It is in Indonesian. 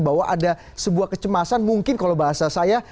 bahwa ada sebuah kecemasan mungkin kalau bahasa saya